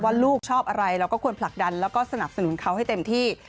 ลูกชอบอะไรเราก็ควรผลักดันแล้วก็สนับสนุนเขาให้เต็มที่